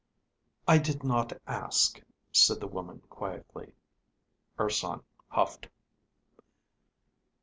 "I did not ask," said the woman, quietly. Urson huffed.